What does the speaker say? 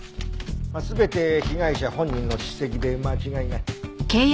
全て被害者本人の筆跡で間違いない。